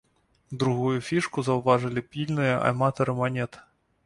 Другую фішку заўважылі пільныя аматары манет.